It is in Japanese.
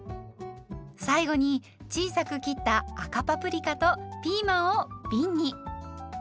最後に小さく切った赤パプリカとピーマンをびんに。